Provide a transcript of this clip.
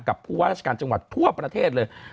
ผู้ว่าราชการจังหวัดทั่วประเทศเลย